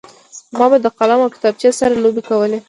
ما به د قلم او کتابچې سره لوبې کولې